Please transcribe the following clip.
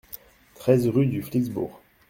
treize rue du Pflixbourg